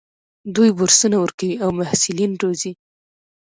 دوی بورسونه ورکوي او محصلین روزي.